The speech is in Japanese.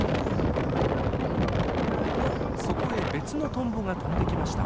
そこへ別のトンボが飛んできました。